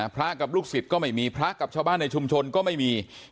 พระกับลูกศิษย์ก็ไม่มีพระกับชาวบ้านในชุมชนก็ไม่มี